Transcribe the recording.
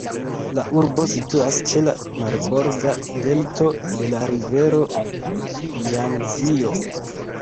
La urbo situas ĉe la marborda delto de la rivero Jangzio.